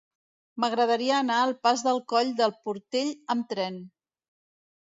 M'agradaria anar al pas del Coll del Portell amb tren.